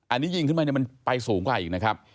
อันนี้ยิงขึ้นไปเนี่ยมันไปสูงกว่าอีกนะครับ